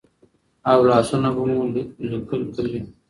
او لاسونه به مو لیکل کوي.